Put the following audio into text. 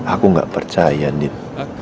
aku gak percaya nip